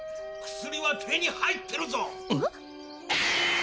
薬は手に入ってるぞ！